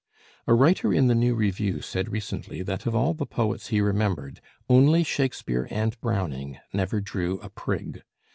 A writer in the New Review said recently that of all the poets he remembered, only Shakespeare and Browning never drew a prig.